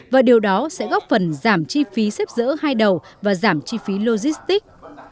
và điều đó sẽ góp phần giảm chi phí xếp dỡ hai đầu và giảm chi phí logistics